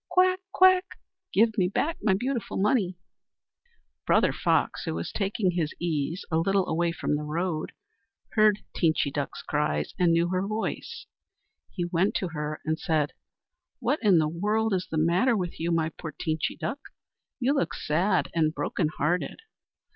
Quack! quack! Give me back my beautiful money!" Teenchy Duck's Friends go with her on her Quest Brother Fox, who was taking his ease a little way from the road, heard Teenchy Duck's cries, and knew her voice. He went to her and said: "What in the world is the matter with you, my poor Teenchy Duck? You look sad and broken hearted."